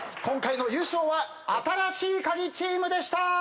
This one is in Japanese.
今回の優勝は新しいカギチームでした！